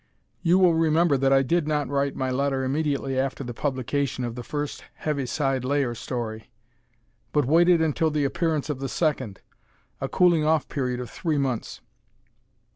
You will remember that I did not write my letter immediately after the publication of the first Heaviside Layer story, but waited until the appearance of the second, a "cooling off" period of three months.